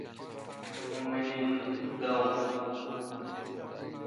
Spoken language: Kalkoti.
مہ منیل داوان